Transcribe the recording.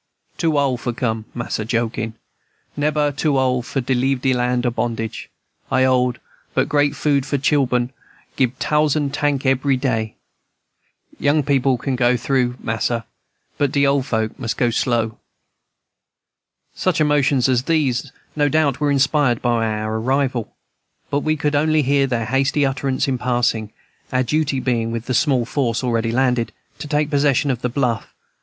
Too ole for come? Mas'r joking. Neber too ole for leave de land o' bondage. I old, but great good for chil'en, gib tousand tank ebry day. Young people can go through, force [forcibly], mas'r, but de ole folk mus' go slow." Such emotions as these, no doubt, were inspired by our arrival, but we could only hear their hasty utterance in passing; our duty being, with the small force already landed, to take possession of the bluff.